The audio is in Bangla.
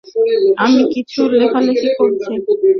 আমি কিছু লেখালেখি করছি।